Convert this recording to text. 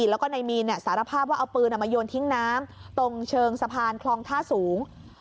แล้วก็นายมีนสารภาพว่าเอาปืนมาโยนทิ้งน้ำตรงเชิงสะพานคลองท่าสูง